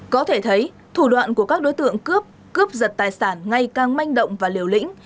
có thể thấy thủ đoạn của các đối tượng cướp cướp giật tài sản ngay càng manh động và liều lĩnh